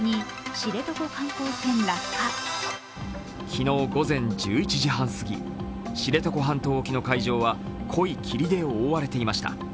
昨日午前１１時半過ぎ、知床半島沖の海上は濃い霧で覆われていました。